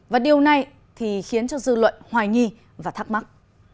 và điều này thì khiến cho dư luận hoài nghi và thắc mắc